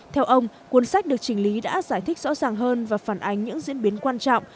theo ông cuốn sách được chỉnh lý đã giải thích rõ ràng hơn và phản ánh những diễn biến quan trọng